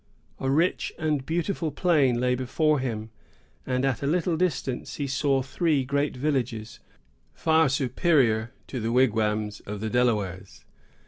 A rich and beautiful plain lay before him, and at a little distance he saw three great villages, far superior to the squalid wigwams of the Delawares.